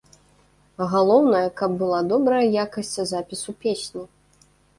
Галоўнае, каб была добрая якасць запісу песні.